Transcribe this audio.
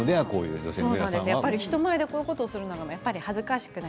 人前でこういうことをするのが恥ずかしくない